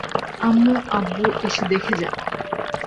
আম্মু, আব্বু, এসো দেখে যাও!